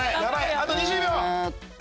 あと２０秒。